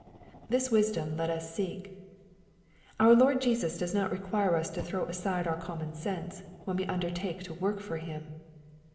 This wisdom let us seek. Our Lord Jesus does not require us to throw aside oui common sense, when we undertake to work for Him.